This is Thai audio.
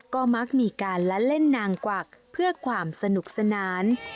ก็มักมีการละเล่นนางกวักเพื่อความสนุกสนาน